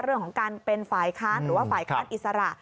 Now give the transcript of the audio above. เรื่องของการเป็นฝ่ายค้านหรือว่าฝ่ายค้านอิสระ